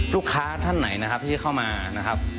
ลูกค้าท่านไหนนะครับที่จะเข้ามานะครับ